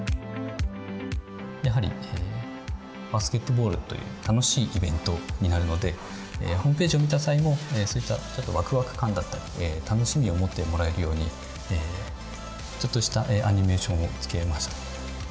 やはりバスケットボールという楽しいイベントになるのでホームページを見た際もそういったワクワク感だったり楽しみを持ってもらえるようにちょっとしたアニメーションをつけました。